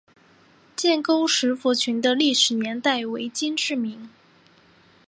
建沟石佛群的历史年代为金至明。